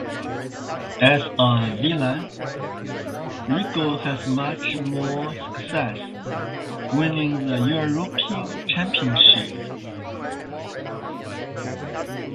As a villain, Regal had much more success, winning the European Championship.